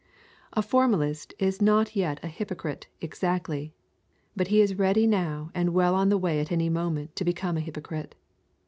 A formalist is not yet a hypocrite exactly, but he is ready now and well on the way at any moment to become a hypocrite.